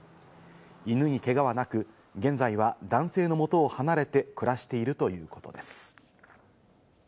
犬にけがはなく、現在は男性のもとを離れて暮らしているということです。